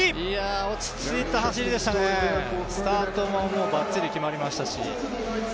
落ち着いた走りでしたねスタートもバッチリ決まりましたし。